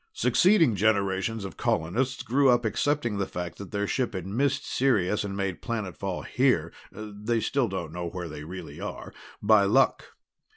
"Succeeding generations of colonists grew up accepting the fact that their ship had missed Sirius and made planetfall here they still don't know where they really are by luck.